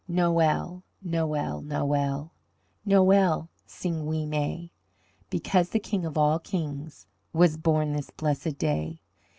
Noel, noel, noel, Noel sing we may Because the King of all Kings Was born this blessed day.